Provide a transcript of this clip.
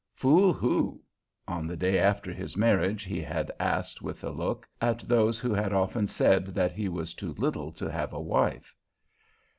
"Fool who?" on the day after his marriage he had asked, with a look at those who had often said that he was too little to have a wife.